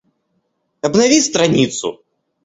Обнови страницу